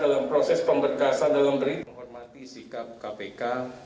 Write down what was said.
dalam proses pemberkasan dalam berita menghormati sikap kpk